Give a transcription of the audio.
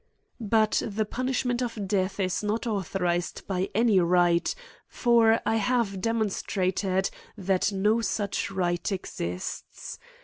But the punishment of death is not authorised by any right ; for I have demonstrated that no N 03^ AN ESSAY ON such right exists.